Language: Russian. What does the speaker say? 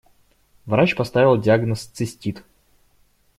Врач поставил диагноз «цистит».